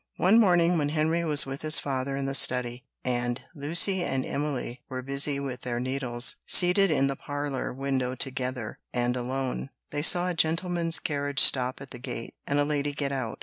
One morning when Henry was with his father in the study, and Lucy and Emily were busy with their needles, seated in the parlour window together, and alone, they saw a gentleman's carriage stop at the gate, and a lady get out.